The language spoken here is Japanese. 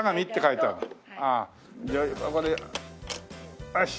じゃあこれよし。